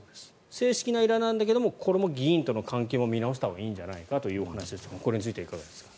正式な依頼なんだけどこれも、議員との関係を見直したほうがいいんじゃないかということですがこれについてはいかがですか？